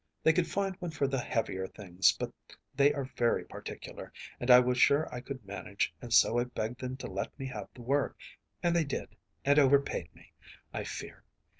They could find one for the heavier things, but they are very particular, and I was sure I could manage, and so I begged them to let me have the work, and they did, and overpaid me, I fear.